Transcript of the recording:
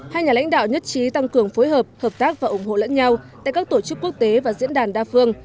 hai nhà lãnh đạo nhất trí tăng cường phối hợp hợp tác và ủng hộ lẫn nhau tại các tổ chức quốc tế và diễn đàn đa phương